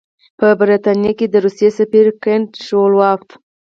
په برټانیه کې د روسیې سفیر کنټ شووالوف.